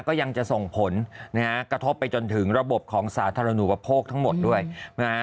ก็ยังจะส่งผลนะฮะกระทบไปจนถึงระบบของสาธารณูปโภคทั้งหมดด้วยนะฮะ